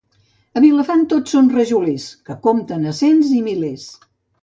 A Vilafant tots són rajolers, que compten a cents i milers.